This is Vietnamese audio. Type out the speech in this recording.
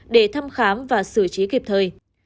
để thăm khám và xử trí kịp thời